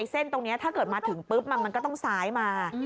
เส้นตรงนี้ถ้าเกิดมาถึงปุ๊บมันก็ต้องซ้ายมา